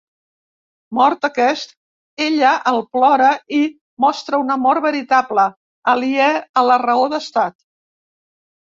Mort aquest, ella el plora i mostra un amor veritable, aliè a la raó d'Estat.